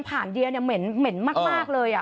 ผ่านเดียเนี่ยเหม็นมากเลย